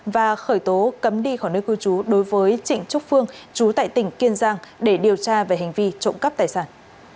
và khởi tố cấm đi khỏi nơi cư trú đối với trịnh trúc phương chú tại tỉnh kiên giang để điều tra về hành vi trộm cắp tài sản